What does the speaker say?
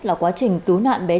là quá trình cứu nạn bé trẻ